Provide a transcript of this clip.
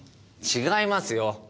違いますよ。